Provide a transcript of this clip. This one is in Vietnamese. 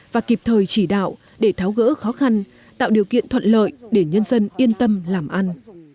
và kịp thời chỉ đạo để tháo gỡ khó khăn tạo điều kiện thuận lợi để nhân dân yên tâm làm ăn